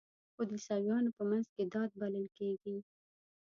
خو د عیسویانو په منځ کې دا د بلل کیږي.